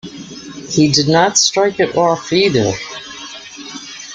He did not strike it off, either.